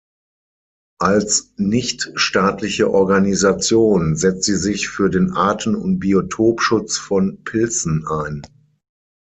Als nichtstaatliche Organisation setzt sie sich für den Arten- und Biotopschutz von Pilzen ein.